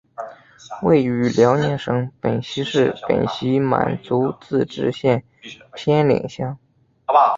位于辽宁省本溪市本溪满族自治县偏岭乡。